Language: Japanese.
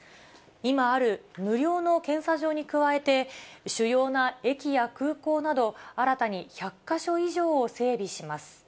今ある無料の検査場に加えて、主要な駅や空港など、新たに１００か所以上を整備します。